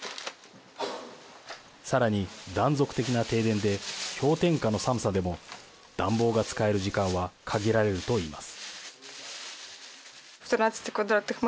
さらに、断続的な停電で氷点下の寒さでも暖房が使える時間は限られると言います。